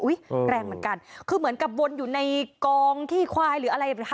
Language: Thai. แรงเหมือนกันคือเหมือนกับวนอยู่ในกองขี้ควายหรืออะไร